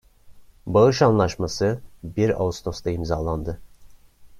Bağış anlaşması bir Ağustos'ta imzalandı.